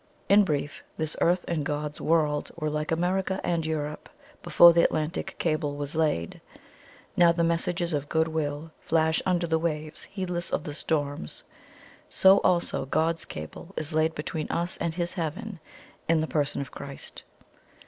In brief, this Earth and God's World were like America and Europe before the Atlantic Cable was laid. Now the messages of goodwill flash under the waves, heedless of the storms. So also God's Cable is laid between us and His Heaven in the person of Christ.